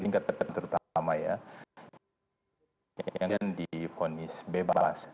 yang dikategori terutama ya yang dikonis bebas